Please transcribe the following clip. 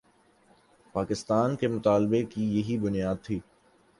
پاکستان کے مطالبے کی یہی بنیاد تھی۔